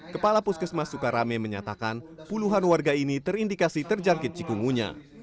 kepala puskesmas sukarame menyatakan puluhan warga ini terindikasi terjangkit cikungunya